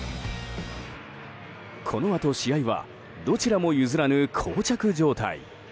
このあと、試合はどちらも譲らぬ膠着状態。